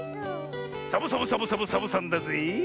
サボサボサボサボサボさんだぜえ！